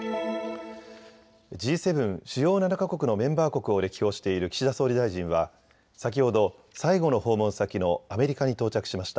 Ｇ７・主要７か国のメンバー国を歴訪している岸田総理大臣は先ほど最後の訪問先のアメリカに到着しました。